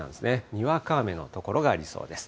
にわか雨の所がありそうです。